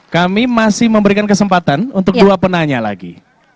kami masih memberikan kesempatan untuk dua penanya lagi